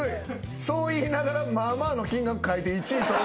そう言いながらまあまあの金額書いて１位取ろうと。